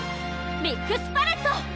ミックスパレット！